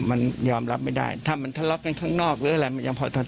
มันยอมรับไม่ได้ถ้ามันทะเลาะกันข้างนอกหรืออะไรมันยังพอทน